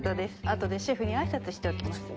あとでシェフに挨拶しておきます。